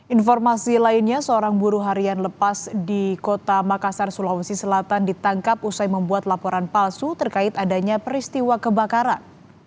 informasi lainnya seorang buruh harian lepas di kota makassar sulawesi selatan ditangkap usai membuat laporan palsu terkait adanya peristiwa kebakaran